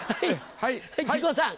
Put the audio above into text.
はい木久扇さん。